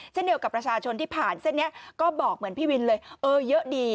เช่นเดียวกับประชาชนที่ผ่านเส้นนี้ก็บอกเหมือนพี่วินเลยเออเยอะดี